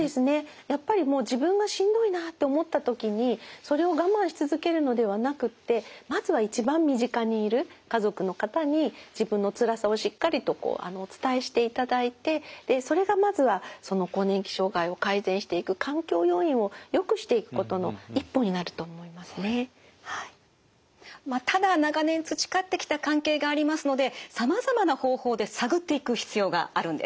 やっぱりもう自分がしんどいなって思った時にそれを我慢し続けるのではなくってまずは一番身近にいる家族の方に自分のつらさをしっかりとお伝えしていただいてそれがまずは更年期障害を改善していくただ長年培ってきた関係がありますのでさまざまな方法で探っていく必要があるんです。